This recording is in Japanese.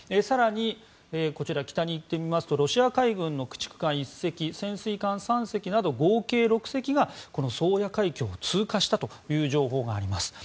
更にこちら、北に行くとロシア海軍の駆逐艦１隻潜水艦３隻など合計６隻がこの宗谷海峡を通過したという情報があります。